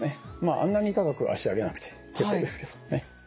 あんなに高く脚上げなくて結構ですけどね。